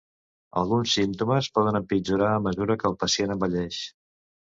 Alguns símptomes poden empitjorar a mesura que el pacient envelleix.